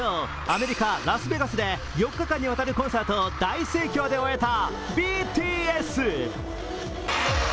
アメリカ・ラスベガスで４日間にわたるコンサートを大盛況で終えたＢＴＳ。